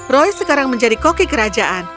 roy sekarang menjadi koki kerajaan